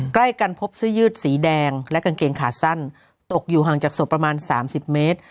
ใกล้กันพบเสื้อยืดสีแดงและกางเกงขาสั้นตกอยู่ห่างจากศพประมาณ๓๐เมตร